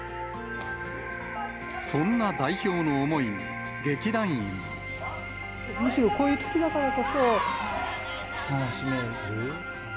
そんな代表の思いに、むしろこういうときだからこそ、楽しめるという。